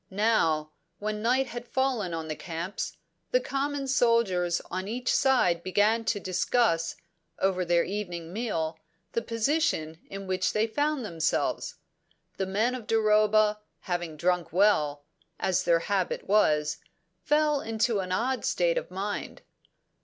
Now, when night had fallen on the camps, the common soldiers on each side began to discuss, over their evening meal, the position in which they found themselves. The men of Duroba, having drunk well, as their habit was, fell into an odd state of mind.